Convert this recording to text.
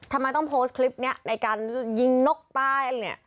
ทำไมต้องโพสต์คลิปนี้ในการยิงนกตายเนี่ย